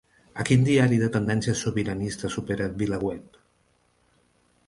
A quin diari de tendència sobiranista supera VilaWeb?